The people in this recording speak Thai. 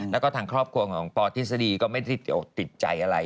แล้วก็ทางครอบครัวของปทฤษฎีก็ไม่ได้ติดใจอะไร